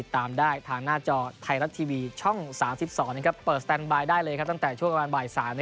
ตั้งแต่ชั่วโอกาสบ่าย๓นะครับ